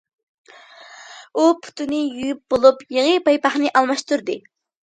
ئۇ پۇتىنى يۇيۇپ بولۇپ يېڭى پايپاقنى ئالماشتۇردى.